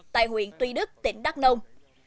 tại huyện tuy đức tỉnh đắk nông